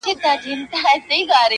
بس همدومره مي زده کړي له استاده٫